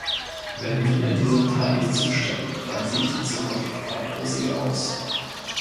Wenn wir diesem Teil nicht zustimmen, dann sieht die Zukunft weit rosiger aus.